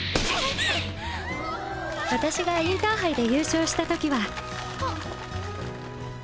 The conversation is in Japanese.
私がインターハイで優勝した時はクソッ！